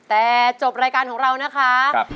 แต่จบรายการของเรานะคะ